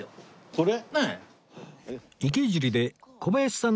これ？